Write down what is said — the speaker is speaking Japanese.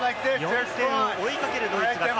４点を追いかけるドイツが。